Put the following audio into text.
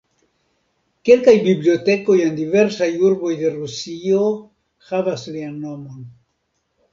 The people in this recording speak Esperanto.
Kelkaj bibliotekoj en diversaj urboj de Rusio havas lian nomon.